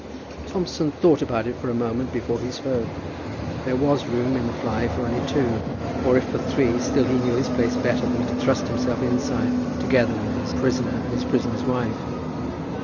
Thompson thought about it for a moment before he spoke. There was room in the fly for only two, or if for three, still he knew his place better than to thrust himself inside together with his prisoner and his prisoner's wife.